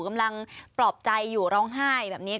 กำลังปลอบใจอยู่ร้องไห้แบบนี้